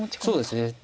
そうですね。